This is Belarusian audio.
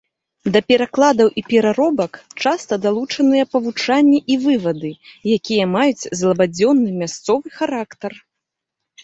Да перакладаў і пераробак часта далучаныя павучанні і вывады, якія маюць злабадзённы мясцовы характар.